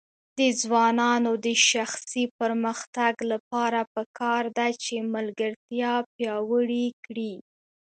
د ځوانانو د شخصي پرمختګ لپاره پکار ده چې ملګرتیا پیاوړې کړي.